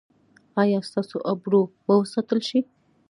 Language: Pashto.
ایا ستاسو ابرو به وساتل شي؟